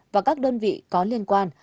và các đơn vị có liên quan